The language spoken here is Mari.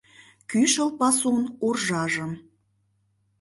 Кӱшыл пасун уржажым